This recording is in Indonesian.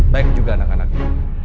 baik juga anak anaknya